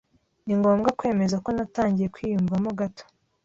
Ningomba kwemeza ko natangiye kwiyumvamo gato.